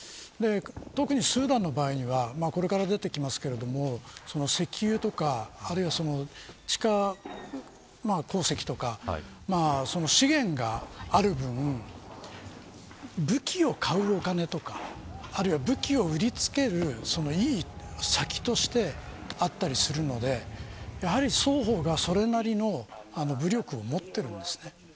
特にスーダンの場合にはこれから出てきますが石油とか、あるいは地下鉱石とか資源がある分武器を買うお金とかあるいは武器を売りつけるいい先としてあったりするのでやはり双方が、それなりの武力を持っているんですね。